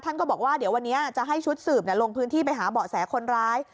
ก็บอกว่าเดี๋ยววันนี้จะให้ชุดสืบลงพื้นที่ไปหาเบาะแสคนร้าย